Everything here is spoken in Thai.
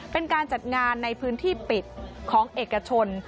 เป็นการจัดงานในพื้นที่ปิดของเอกชน